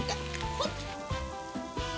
ほっ！